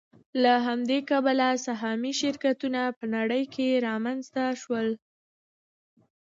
له همدې کبله سهامي شرکتونه په نړۍ کې رامنځته شول